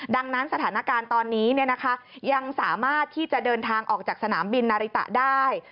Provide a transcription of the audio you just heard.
ดังนั้นสถานการณ์ตอนนี้ยังสามารถที่จะเดินทางออกจากสนามบินนาริตะได้